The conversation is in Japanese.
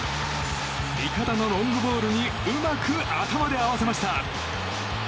味方のロングボールにうまく頭で合わせました。